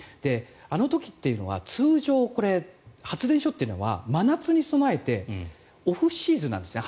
あの時というのは通常、発電所というのは真夏に備えてオフシーズンなんですね。